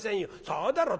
「そうだろ。